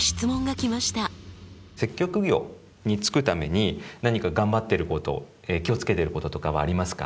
接客業に就くために何か頑張ってること気を付けてることとかはありますか？